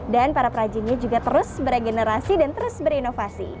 dan para perrajinnya juga terus bergenerasi dan terus berinovasi